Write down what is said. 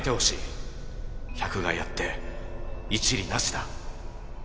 百害あって一利なしだ。